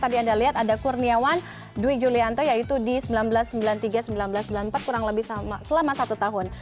tadi anda lihat ada kurniawan dwi julianto yaitu di seribu sembilan ratus sembilan puluh tiga seribu sembilan ratus sembilan puluh empat kurang lebih selama satu tahun